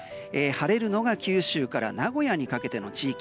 晴れるのが九州から名古屋にかけての地域。